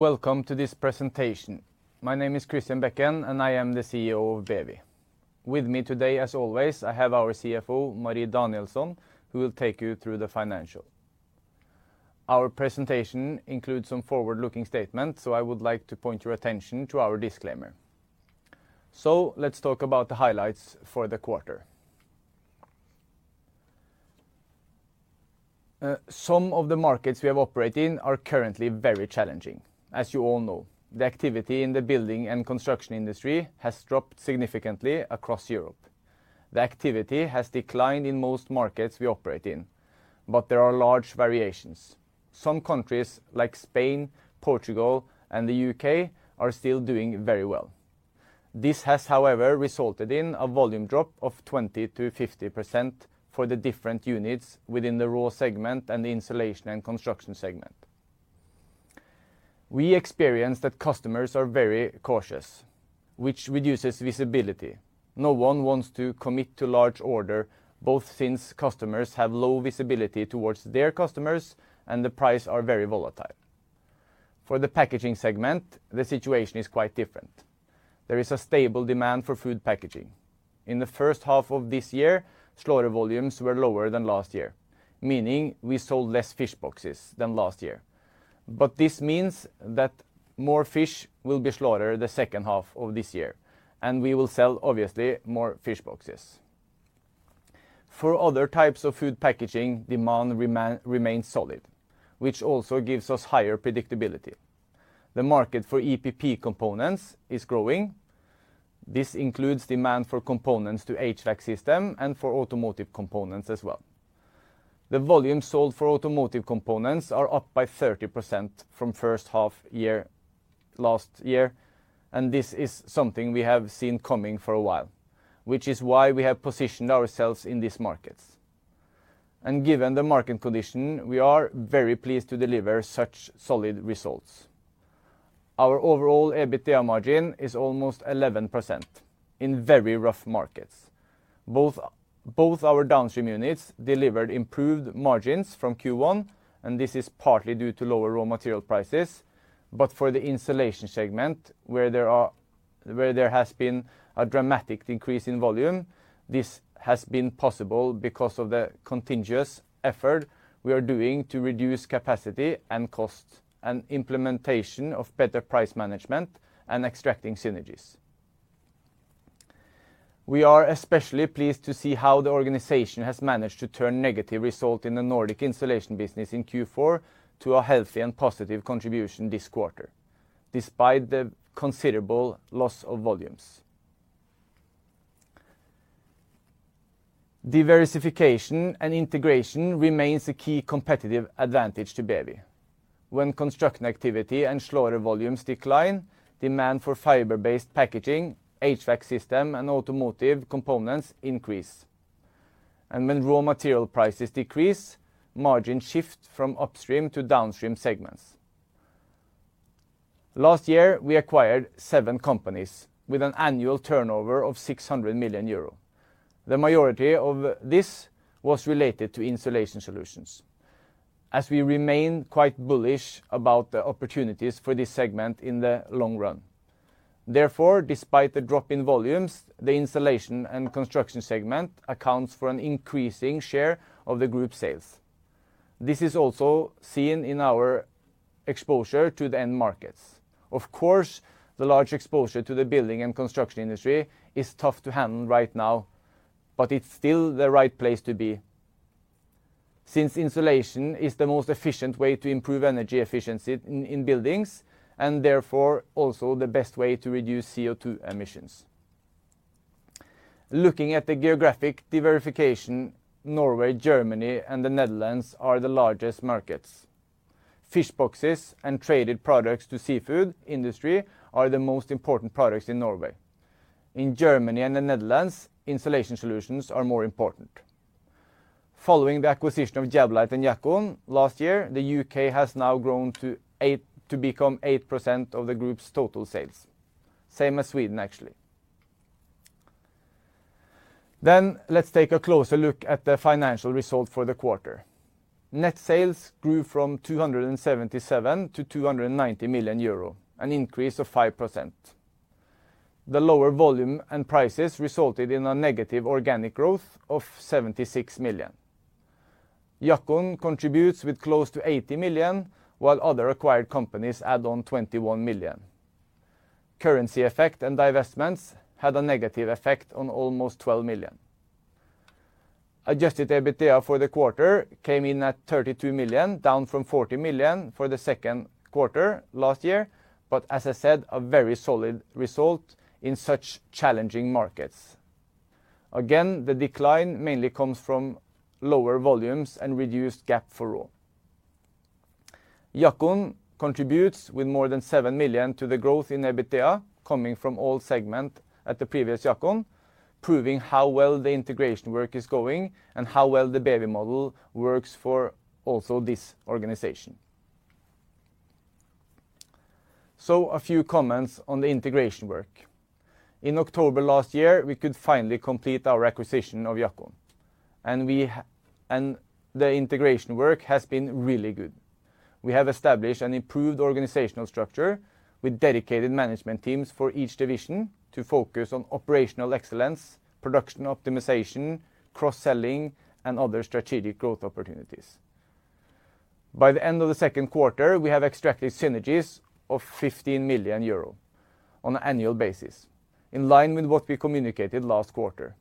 Welcome to this presentation. My name is Christian Bekken, and I am the CEO of BEWI. With me today, as always, I have our CFO, Marie Danielsson, who will take you through the financial. Our presentation includes some forward-looking statements. I would like to point your attention to our disclaimer. Let's talk about the highlights for the quarter. Some of the markets we have operate in are currently very challenging. As you all know, the activity in the building and construction industry has dropped significantly across Europe. The activity has declined in most markets we operate in, but there are large variations. Some countries like Spain, Portugal, and the U.K. are still doing very well. This has, however, resulted in a volume drop of 20%-50% for the different units within the RAW segment and the Insulation and Construction segment. We experience that customers are very cautious, which reduces visibility. No one wants to commit to large orders, both since customers have low visibility towards their customers and prices are very volatile. For the Packaging segment, the situation is quite different. There is a stable demand for food packaging. In the first half of this year, slaughter volumes were lower than last year, meaning we sold less fish boxes than last year. This means that more fish will be slaughtered the second half of this year, and we will sell, obviously, more fish boxes. For other types of food packaging, demand remains solid, which also gives us higher predictability. The market for EPP components is growing. This includes demand for components to HVAC systems and for automotive components as well. The volume sold for automotive components are up by 30% from first half year, last year, which is something we have seen coming for a while, which is why we have positioned ourselves in these markets. Given the market condition, we are very pleased to deliver such solid results. Our overall EBITDA margin is almost 11% in very rough markets. Both, both our downstream units delivered improved margins from Q1, and this is partly due to lower RAW material prices. For the Insulation segment, where there has been a dramatic decrease in volume, this has been possible because of the continuous effort we are doing to reduce capacity and cost and implementation of better price management and extracting synergies. We are especially pleased to see how the organization has managed to turn negative result in the Nordic Insulation business in Q4 to a healthy and positive contribution this quarter, despite the considerable loss of volumes. Diversification and integration remains a key competitive advantage to BEWI. When construction activity and slaughter volumes decline, demand for fiber-based packaging, HVAC system, and automotive components increase. When RAW material prices decrease, margin shift from upstream to downstream segments. Last year, we acquired seven companies with an annual turnover of 600 million euro. The majority of this was related to Insulation solutions, as we remain quite bullish about the opportunities for this segment in the long run. Therefore, despite the drop in volumes, the Insulation and Construction segment accounts for an increasing share of the group sales. This is also seen in our exposure to the end markets. Of course, the large exposure to the building and construction industry is tough to handle right now, but it's still the right place to be, since insulation is the most efficient way to improve energy efficiency in buildings and therefore also the best way to reduce CO2 emissions. Looking at the geographic diversification, Norway, Germany, and the Netherlands are the largest markets. Fish boxes and traded products to seafood industry are the most important products in Norway. In Germany and the Netherlands, insulation solutions are more important. Following the acquisition of Jablite and Jackon last year, the U.K. has now grown to 8% of the group's total sales, same as Sweden, actually. Let's take a closer look at the financial result for the quarter. Net sales grew from 277 to 290 million, an increase of 5%. The lower volume and prices resulted in a negative organic growth of 76 million. Jackon contributes with close to 80 million, while other acquired companies add on 21 million. Currency effect and divestments had a negative effect on almost 12 million. Adjusted EBITDA for the quarter came in at 32 million, down from 40 million for the second quarter last year, but as I said, a very solid result in such challenging markets. Again, the decline mainly comes from lower volumes and reduced gap for RAW. Jackon contributes with more than 7 million to the growth in EBITDA, coming from all segment at the previous Jackon, proving how well the integration work is going and how well the BEWI model works for also this organization. A few comments on the integration work. In October last year, we could finally complete our acquisition of Jackon. We and the integration work has been really good. We have established an improved organizational structure with dedicated management teams for each division to focus on operational excellence, production optimization, cross-selling, and other strategic growth opportunities. By the end of the second quarter, we have extracted synergies of 15 million euro on an annual basis, in line with what we communicated last quarter,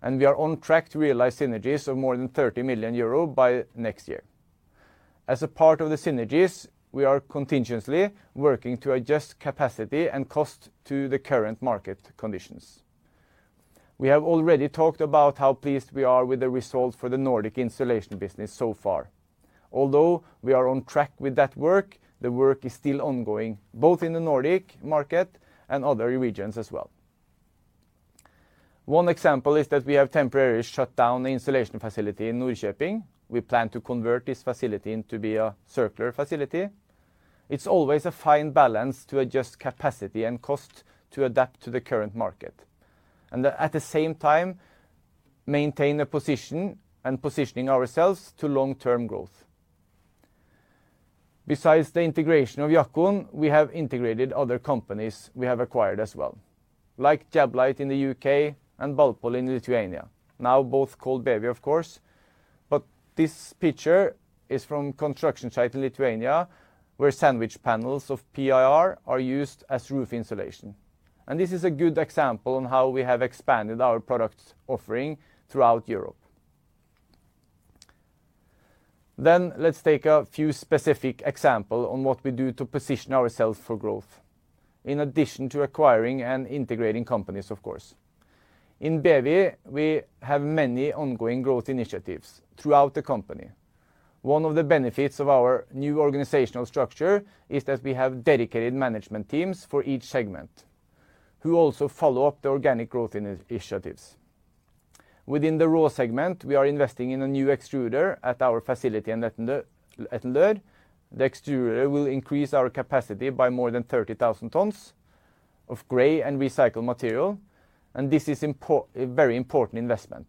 and we are on track to realize synergies of more than 30 million euro by next year. As a part of the synergies, we are continuously working to adjust capacity and cost to the current market conditions. We have already talked about how pleased we are with the results for the Nordic Insulation business so far. Although we are on track with that work, the work is still ongoing, both in the Nordic market and other regions as well. One example is that we have temporarily shut down the Insulation facility in Norrköping. We plan to convert this facility into be a Circular facility. It's always a fine balance to adjust capacity and cost to adapt to the current market, and at the same time, maintain a position and positioning ourselves to long-term growth. Besides the integration of Jackon, we have integrated other companies we have acquired as well, like Jablite in the U.K. and BalPol in Lithuania. Now, both called BEWI, of course, but this picture is from construction site in Lithuania, where sandwich panels of PIR are used as roof insulation. This is a good example on how we have expanded our product offering throughout Europe. Let's take a few specific example on what we do to position ourselves for growth, in addition to acquiring and integrating companies, of course. In BEWI, we have many ongoing growth initiatives throughout the company. One of the benefits of our new organizational structure is that we have dedicated management teams for each segment, who also follow up the organic growth initiatives. Within the RAW segment, we are investing in a new extruder at our facility in Etne. The extruder will increase our capacity by more than 30,000 tons of gray and recycled material, this is a very important investment.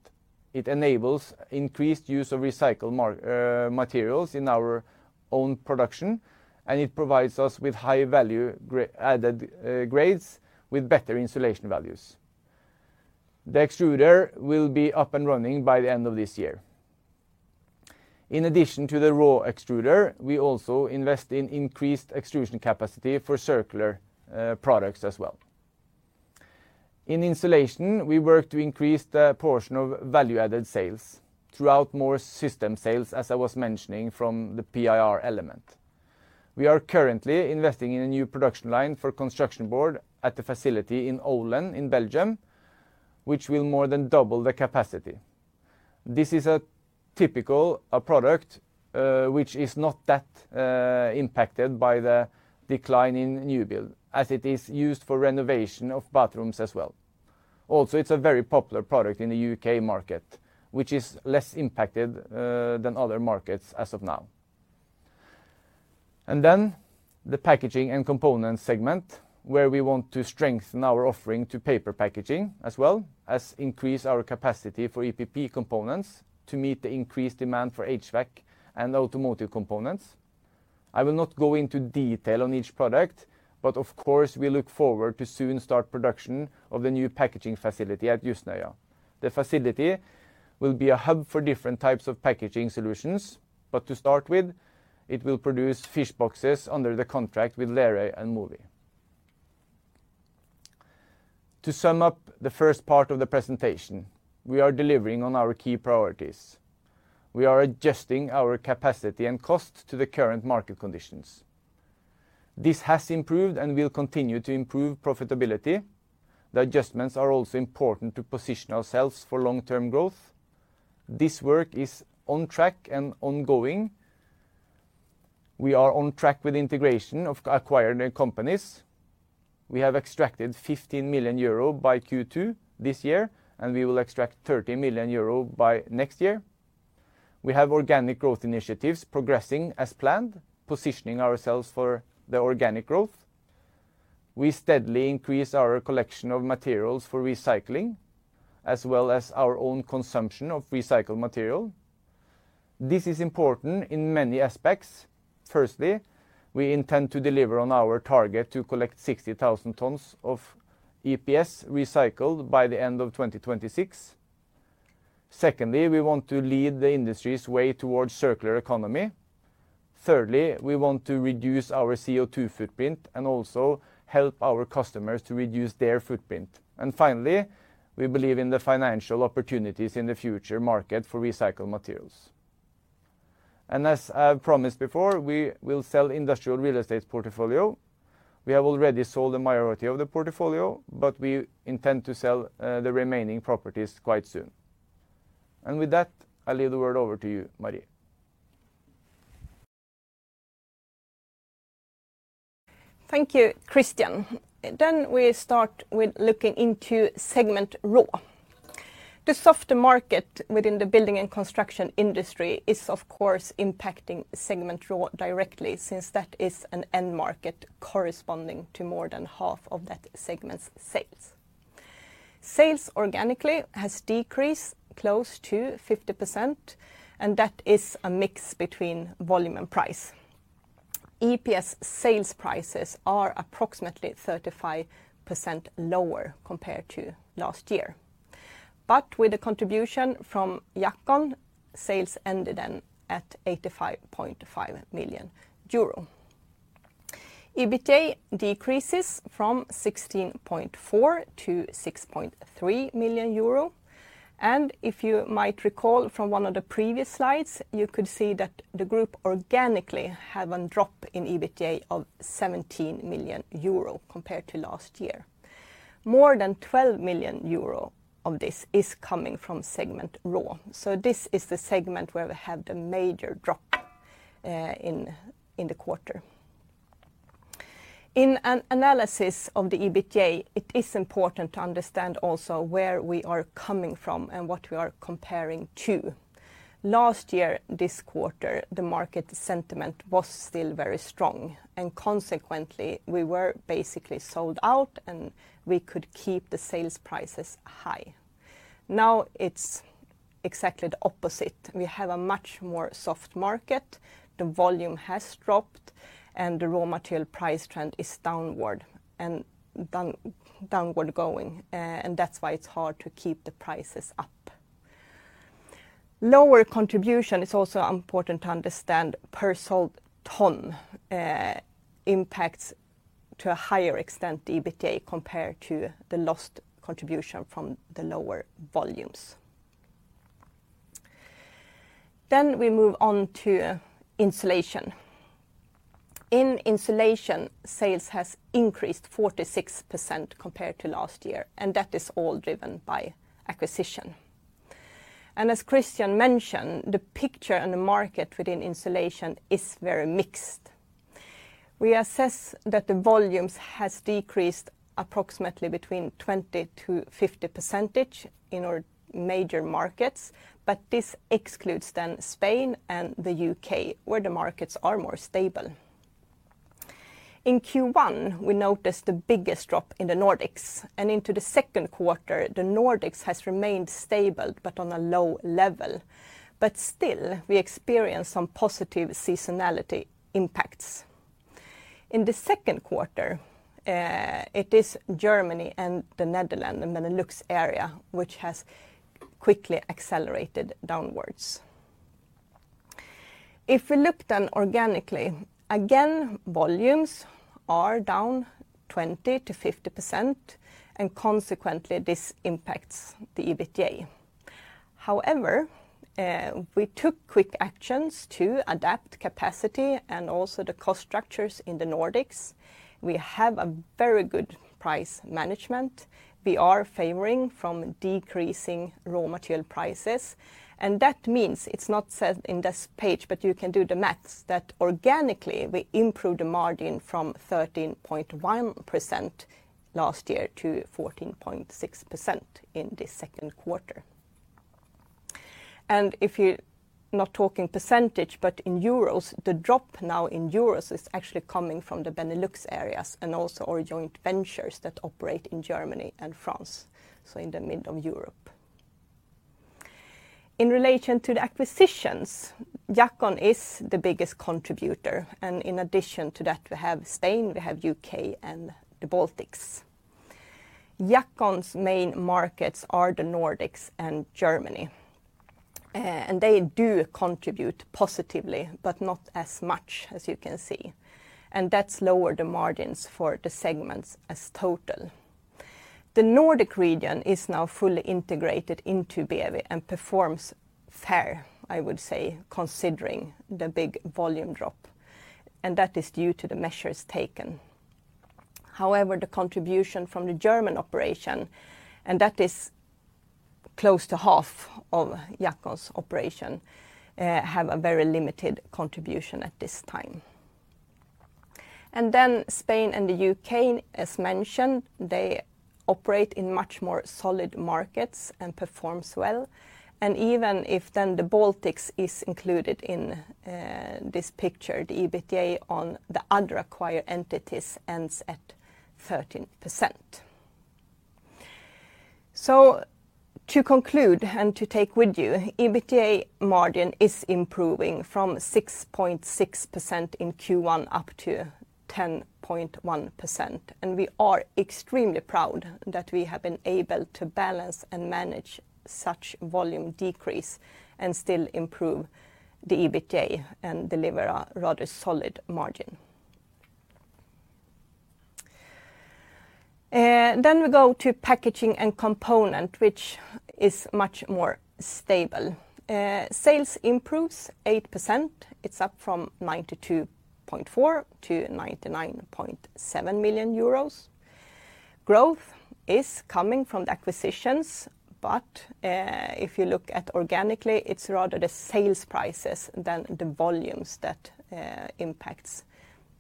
It enables increased use of recycled materials in our own production, and it provides us with high value added grades with better insulation values. The extruder will be up and running by the end of this year. In addition to the RAW extruder, we also invest in increased extrusion capacity for Circular products as well. In Insulation, we work to increase the portion of value-added sales throughout more system sales, as I was mentioning from the PIR element. We are currently investing in a new production line for construction board at the facility in Olen in Belgium, which will more than double the capacity. This is a typical product which is not that impacted by the decline in new build, as it is used for renovation of bathrooms as well. Also, it's a very popular product in the U.K. market, which is less impacted than other markets as of now. Then the Packaging and Components segment, where we want to strengthen our offering to paper packaging, as well as increase our capacity for EPP components to meet the increased demand for HVAC and automotive components. I will not go into detail on each product, but of course, we look forward to soon start production of the new packaging facility at Jøsnøya. The facility will be a hub for different types of packaging solutions, but to start with, it will produce fish boxes under the contract with Lerøy and Mowi. To sum up the first part of the presentation, we are delivering on our key priorities. We are adjusting our capacity and cost to the current market conditions. This has improved and will continue to improve profitability. The adjustments are also important to position ourselves for long-term growth. This work is on track and ongoing. We are on track with integration of acquired companies. We have extracted 15 million euro by Q2 this year, and we will extract 30 million euro by next year. We have organic growth initiatives progressing as planned, positioning ourselves for the organic growth. We steadily increase our collection of materials for recycling, as well as our own consumption of recycled material. This is important in many aspects. Firstly, we intend to deliver on our target to collect 60,000 tons of EPS recycled by the end of 2026. Secondly, we want to lead the industry's way towards circular economy. Thirdly, we want to reduce our CO2 footprint and also help our customers to reduce their footprint. Finally, we believe in the financial opportunities in the future market for recycled materials. As I've promised before, we will sell industrial real estate portfolio. We have already sold the minority of the portfolio, but we intend to sell the remaining properties quite soon. With that, I leave the word over to you, Marie. Thank you, Christian. We start with looking into segment RAW. The softer market within the building and construction industry is of course, impacting segment RAW directly, since that is an end market corresponding to more than half of that segment's sales. Sales organically has decreased close to 50%, that is a mix between volume and price. EPS sales prices are approximately 35% lower compared to last year. With the contribution from Jackon, sales ended at 85.5 million euro. EBITDA decreases from 16.4 million-6.3 million euro. If you might recall from one of the previous slides, you could see that the group organically have a drop in EBITDA of 17 million euro compared to last year. More than 12 million euro of this is coming from segment RAW. This is the segment where we have the major drop, in, in the quarter. In an analysis of the EBITDA, it is important to understand also where we are coming from and what we are comparing to. Last year, this quarter, the market sentiment was still very strong, and consequently, we were basically sold out, and we could keep the sales prices high. Now, it's exactly the opposite. We have a much more soft market. The volume has dropped, and the RAW material price trend is downward and downward going. That's why it's hard to keep the prices up. Lower contribution is also important to understand per sold ton, impacts to a higher extent the EBITDA compared to the lost contribution from the lower volumes. We move on to Insulation. In Insulation, sales has increased 46% compared to last year. That is all driven by acquisition. As Christian mentioned, the picture and the market within Insulation is very mixed. We assess that the volumes has decreased approximately between 20%-50% in our major markets. This excludes then Spain and the U.K., where the markets are more stable. In Q1, we noticed the biggest drop in the Nordics. Into the second quarter, the Nordics has remained stable, on a low level. Still, we experience some positive seasonality impacts. In the second quarter, it is Germany and the Netherlands, the Benelux area, which has quickly accelerated downwards. If we look then organically, again, volumes are down 20%-50%. Consequently, this impacts the EBITDA. However, we took quick actions to adapt capacity and also the cost structures in the Nordics. We have a very good price management. We are favoring from decreasing RAW material prices, and that means it's not said in this page, but you can do the maths, that organically, we improved the margin from 13.1% last year to 14.6% in this second quarter. If you're not talking percentage, but in EUR, the drop now in EUR is actually coming from the Benelux areas and also our joint ventures that operate in Germany and France, so in the middle of Europe. In relation to the acquisitions, Jackon is the biggest contributor, and in addition to that, we have Spain, we have U.K., and the Baltics. Jackon's main markets are the Nordics and Germany, and they do contribute positively, but not as much as you can see, and that's lowered the margins for the segments as total. The Nordic region is now fully integrated into BEWI and performs fair, I would say, considering the big volume drop, and that is due to the measures taken. However, the contribution from the German operation, and that is close to half of Jackon's operation, have a very limited contribution at this time. Spain and the U.K., as mentioned, they operate in much more solid markets and performs well. Even if then the Baltics is included in this picture, the EBITDA on the other acquired entities ends at 13%. To conclude and to take with you, EBITDA margin is improving from 6.6% in Q1 up to 10.1%, and we are extremely proud that we have been able to balance and manage such volume decrease and still improve the EBITDA and deliver a rather solid margin. Then we go to Packaging and Components, which is much more stable. Sales improves 8%. It's up from 92.4 to 99.7 million euros. Growth is coming from the acquisitions, but, if you look at organically, it's rather the sales prices than the volumes that impacts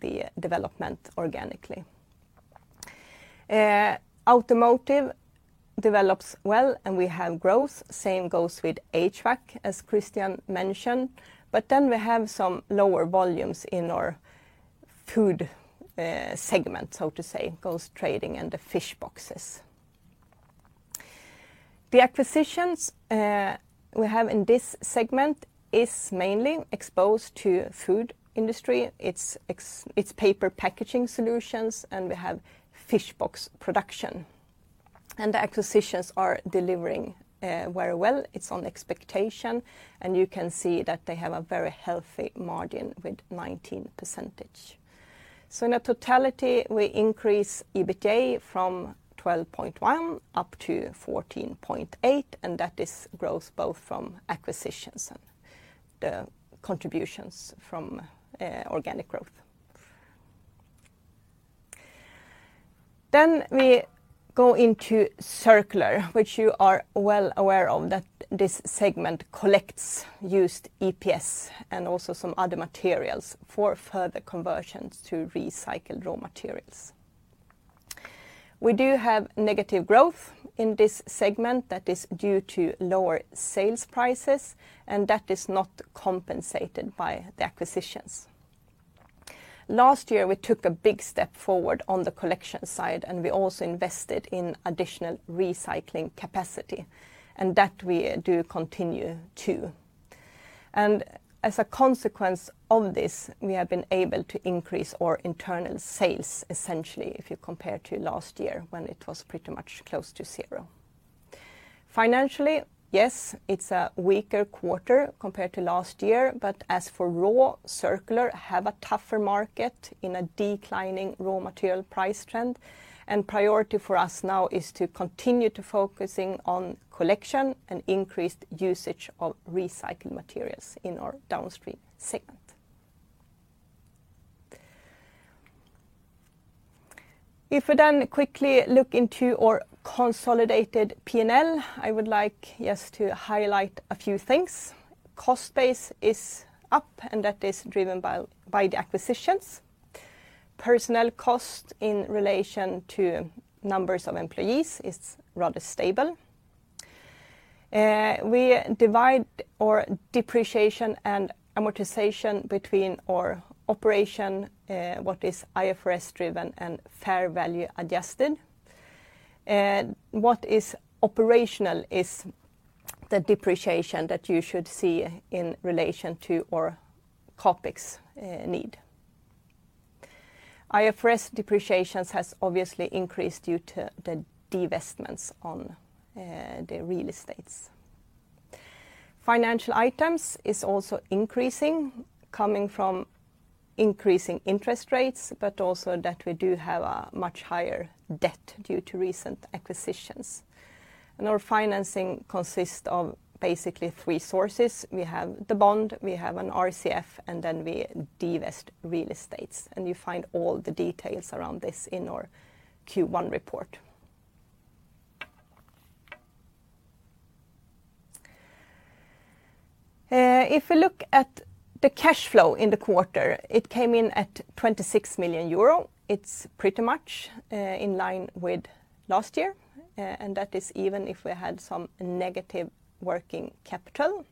the development organically. Automotive develops well, and we have growth. Same goes with HVAC, as Christian mentioned. Then we have some lower volumes in our food segment, so to say, goes trading and the fish boxes. The acquisitions we have in this segment is mainly exposed to food industry. It's paper packaging solutions, and we have fish box production. The acquisitions are delivering very well. It's on expectation, you can see that they have a very healthy margin with 19%. In a totality, we increase EBITDA from 12.1 up to 14.8, and that is growth both from acquisitions and the contributions from organic growth. We go into Circular, which you are well aware of, that this segment collects used EPS and also some other materials for further conversions to recycled RAW materials. We do have negative growth in this segment that is due to lower sales prices, that is not compensated by the acquisitions. Last year, we took a big step forward on the collection side, and we also invested in additional recycling capacity, and that we do continue to. As a consequence of this, we have been able to increase our internal sales, essentially, if you compare to last year, when it was pretty much close to zero. Financially, yes, it's a weaker quarter compared to last year, but as for RAW, Circular have a tougher market in a declining RAW material price trend, and priority for us now is to continue to focusing on collection and increased usage of recycled materials in our downstream segment. If we then quickly look into our consolidated P&L, I would like just to highlight a few things. Cost base is up, and that is driven by the acquisitions. Personnel cost in relation to numbers of employees is rather stable. We divide our depreciation and amortization between our operation, what is IFRS-driven and fair value-adjusted. What is operational is the depreciation that you should see in relation to our CapEx need. IFRS depreciations has obviously increased due to the divestments on the real estates. Financial items is also increasing, coming from increasing interest rates, but also that we do have a much higher debt due to recent acquisitions. Our financing consists of basically three sources. We have the bond, we have an RCF, and then we divest real estates, and you find all the details around this in our Q1 report. We look at the cash flow in the quarter, it came in at 26 million euro. It's pretty much in line with last year, and that is even if we had some negative working capital.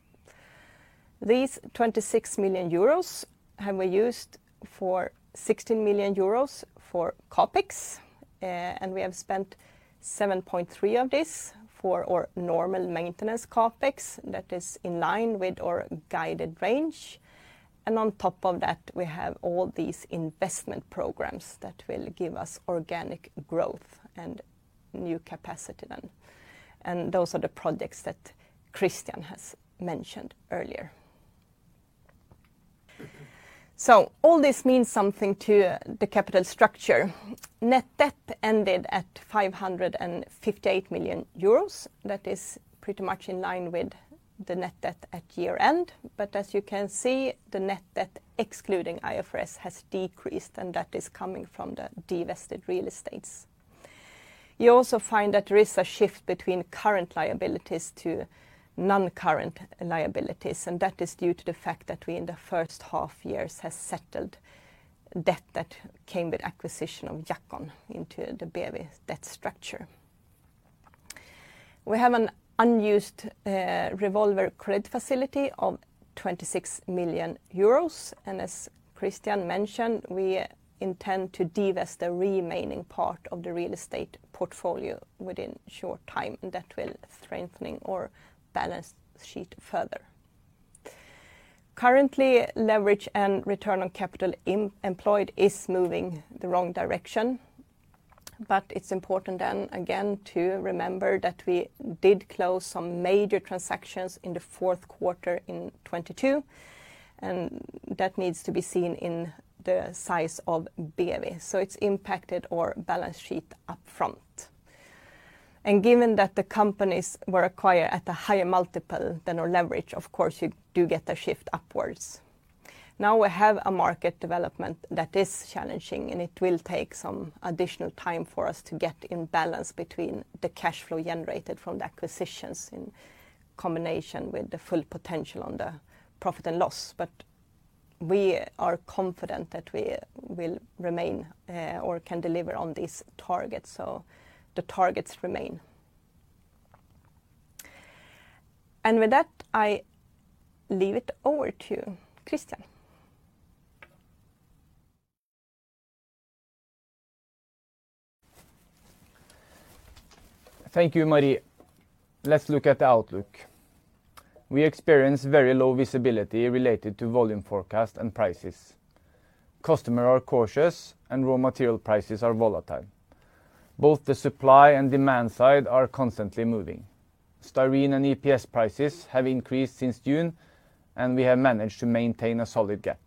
These 26 million euros have we used for 16 million euros for CapEx. We have spent 7.3 million of this for our normal maintenance CapEx. That is in line with our guided range. On top of that, we have all these investment programs that will give us organic growth and new capacity then. Those are the projects that Christian has mentioned earlier. All this means something to the capital structure. Net debt ended at 558 million euros. That is pretty much in line with the net debt at year-end. As you can see, the net debt, excluding IFRS, has decreased, and that is coming from the divested real estates. You also find that there is a shift between current liabilities to non-current liabilities. That is due to the fact that we, in the first half years, has settled debt that came with acquisition of Jackon into the BEWI debt structure. We have an unused revolver credit facility of 26 million euros. As Christian mentioned, we intend to divest the remaining part of the real estate portfolio within short time. That will strengthening our balance sheet further. Currently, leverage and return on capital employed is moving the wrong direction. It's important then, again, to remember that we did close some major transactions in the fourth quarter in 2022. That needs to be seen in the size of BEWI. It's impacted our balance sheet up front. Given that the companies were acquired at a higher multiple than our leverage, of course, you do get a shift upwards. We have a market development that is challenging, and it will take some additional time for us to get in balance between the cash flow generated from the acquisitions in combination with the full potential on the profit and loss. We are confident that we will remain, or can deliver on these targets, so the targets remain. With that, I leave it over to you, Christian. Thank you, Marie. Let's look at the outlook. We experience very low visibility related to volume forecast and prices. Customers are cautious, and RAW material prices are volatile. Both the supply and demand side are constantly moving. styrene and EPS prices have increased since June, and we have managed to maintain a solid gap.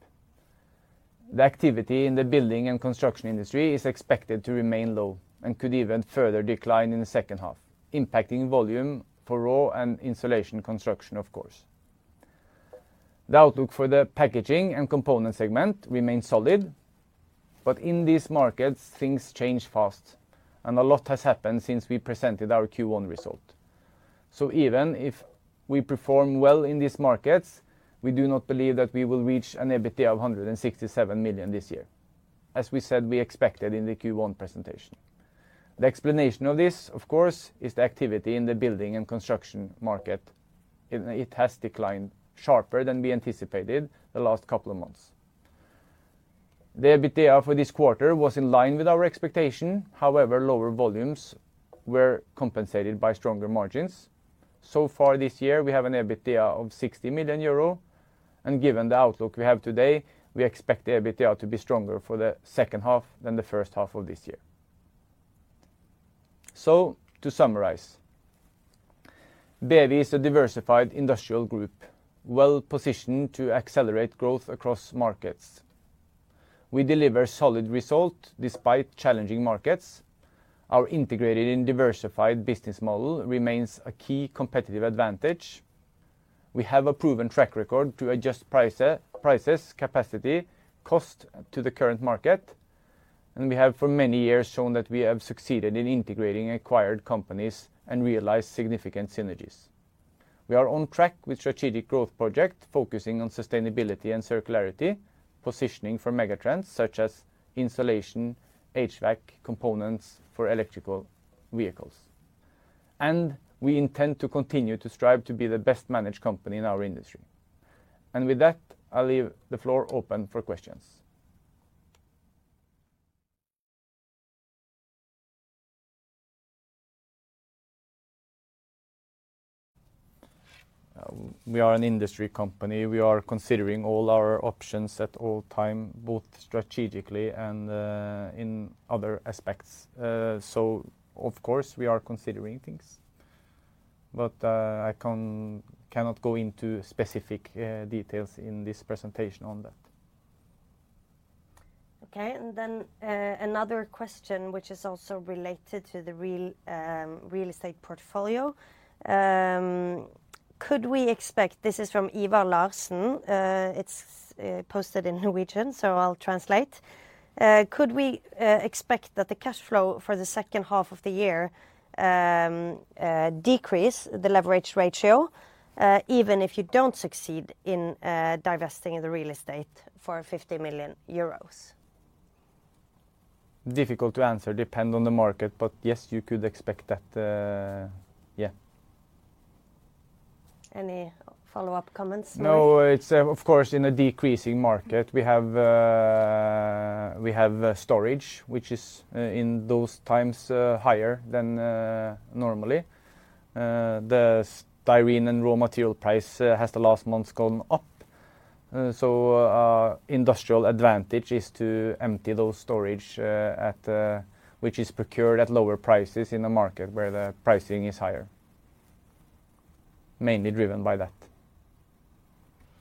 The activity in the building and construction industry is expected to remain low and could even further decline in the second half, impacting volume for RAW and Insulation, of course. The outlook for the Packaging and Components segment remains solid, but in these markets, things change fast, and a lot has happened since we presented our Q1 result. Even if we perform well in these markets, we do not believe that we will reach an EBITDA of 167 million this year, as we said we expected in the Q1 presentation. The explanation of this, of course, is the activity in the building and construction market. It, it has declined sharper than we anticipated the last couple of months. The EBITDA for this quarter was in line with our expectation. However, lower volumes were compensated by stronger margins. So far this year, we have an EBITDA of 60 million euro, and given the outlook we have today, we expect the EBITDA to be stronger for the second half than the first half of this year. To summarize, BEWI is a diversified industrial group, well positioned to accelerate growth across markets. We deliver solid result despite challenging markets. Our integrated and diversified business model remains a key competitive advantage. We have a proven track record to adjust price, prices, capacity, cost to the current market, and we have, for many years, shown that we have succeeded in integrating acquired companies and realized significant synergies. We are on track with strategic growth project, focusing on sustainability and circularity, positioning for megatrends, such as Insulation, HVAC, components for electrical vehicles. We intend to continue to strive to be the best managed company in our industry. With that, I'll leave the floor open for questions. We are an industry company. We are considering all our options at all time, both strategically and in other aspects. Of course, we are considering things, but I cannot go into specific details in this presentation on that. Okay, then, another question, which is also related to the real real estate portfolio. Could we expect... This is from Eva Larsen. It's posted in Norwegian, so I'll translate. Could we expect that the cash flow for the second half of the year decrease the leverage ratio, even if you don't succeed in divesting the real estate for 50 million euros? Difficult to answer, depend on the market, but yes, you could expect that, yeah. Any follow-up comments, Marie? No, it's, of course, in a decreasing market, we have, we have, storage, which is, in those times, higher than, normally. The styrene and RAW material price, has the last month gone up. Industrial advantage is to empty those storage, at, which is procured at lower prices in the market where the pricing is higher, mainly driven by that.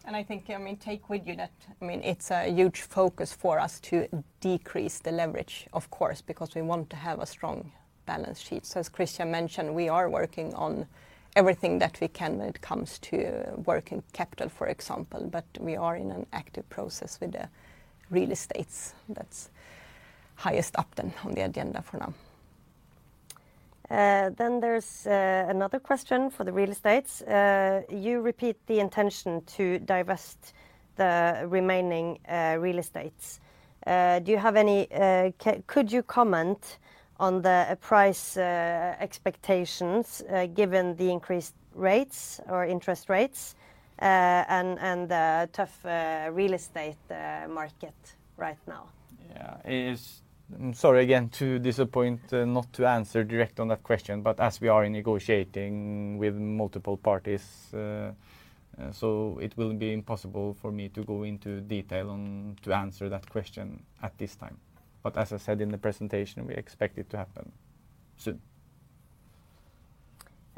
I think, I mean, take with you that, I mean, it's a huge focus for us to decrease the leverage, of course, because we want to have a strong balance sheet. As Christian mentioned, we are working on everything that we can when it comes to working capital, for example, but we are in an active process with the real estates. That's highest up then on the agenda for now. There's another question for the real estates. You repeat the intention to divest the remaining real estates. Do you have any... could you comment on the price expectations given the increased rates or interest rates and the tough real estate market right now? Yeah, sorry again to disappoint, not to answer direct on that question, but as we are in negotiating with multiple parties, so it will be impossible for me to go into detail on to answer that question at this time. As I said in the presentation, we expect it to happen soon.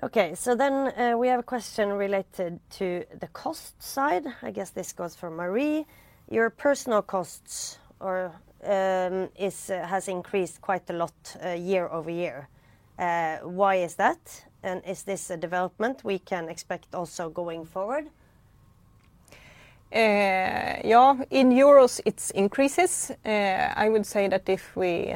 Okay, we have a question related to the cost side. I guess this goes for Marie. Your personal costs are has increased quite a lot, year-over-year. Why is that? Is this a development we can expect also going forward? Yeah, in EUR, it's increases. I would say that if we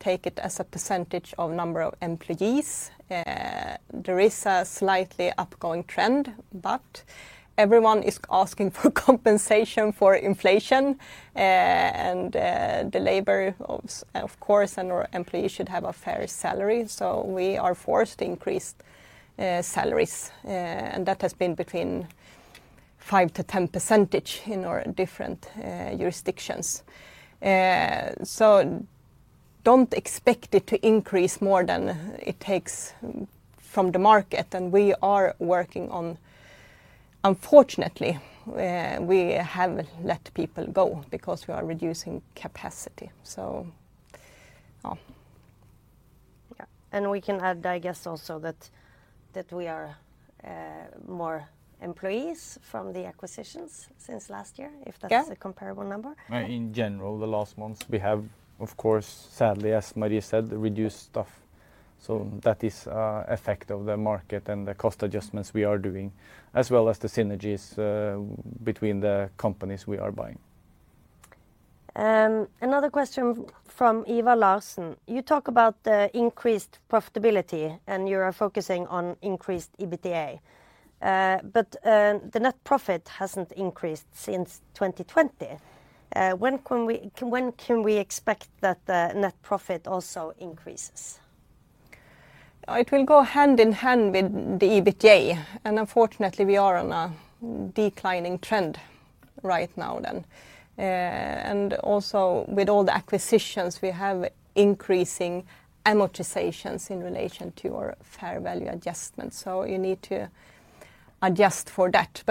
take it as a percentage of number of employees, there is a slightly upgoing trend, but everyone is asking for compensation for inflation, and the labor, of course, and our employees should have a fair salary, so we are forced to increase salaries. That has been between 5%-10% in our different jurisdictions. Don't expect it to increase more than it takes from the market, and we are working on. Unfortunately, we have let people go because we are reducing capacity. Yeah, we can add, I guess, also, that, that we are, more employees from the acquisitions since last year. Yeah if that's a comparable number? In general, the last months we have, of course, sadly, as Marie said, reduced staff. That is, effect of the market and the cost adjustments we are doing, as well as the synergies between the companies we are buying. Another question from Eva Larsen. "You talk about the increased profitability, and you are focusing on increased EBITDA. The net profit hasn't increased since 2020. When can we expect that the net profit also increases? It will go hand in hand with the EBITDA, and unfortunately we are on a declining trend right now then. Also, with all the acquisitions, we have increasing amortizations in relation to our fair value adjustment, so you need to adjust for that.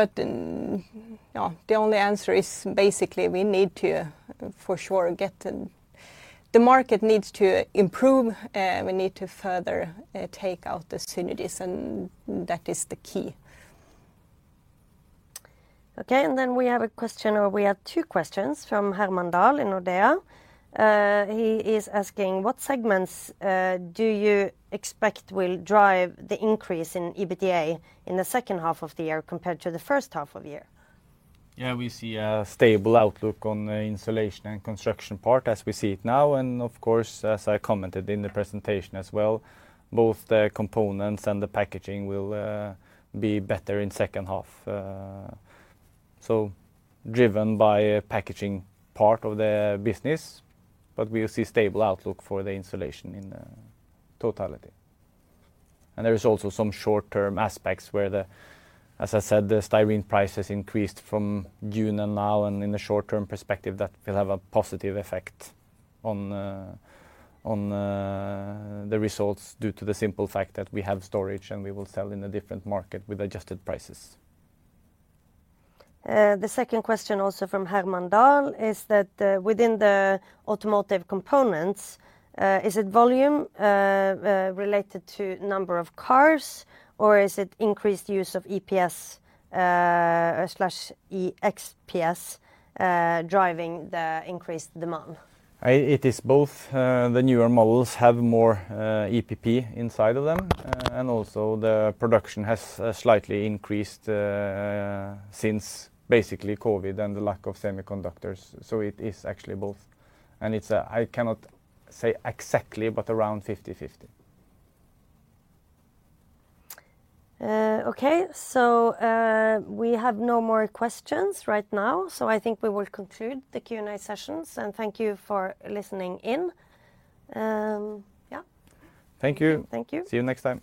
Yeah, the only answer is, basically, we need to, for sure, get... The market needs to improve, we need to further, take out the synergies, and that is the key. Then we have a question, or we have two questions from Herman Dahl in Nordea. He is asking, "What segments do you expect will drive the increase in EBITDA in the second half of the year compared to the first half of the year? Yeah, we see a stable outlook on the Insulation and Construction part as we see it now, and of course, as I commented in the presentation as well, both the components and the packaging will be better in second half. Driven by a packaging part of the business, but we will see stable outlook for the Insulation in the totality. There is also some short-term aspects where the, as I said, the styrene prices increased from June until now, and in the short-term perspective, that will have a positive effect on the results, due to the simple fact that we have storage, and we will sell in a different market with adjusted prices. The second question, also from Herman Dahl, is that, "Within the automotive components, is it volume, related to number of cars, or is it increased use of EPS/XPS, driving the increased demand? It is both. The newer models have more EPP inside of them, and also the production has slightly increased since basically COVID and the lack of semiconductors, so it is actually both. It's I cannot say exactly, but around 50/50. Okay, so, we have no more questions right now, so I think we will conclude the Q&A sessions, and thank you for listening in. Thank you. Thank you. See you next time.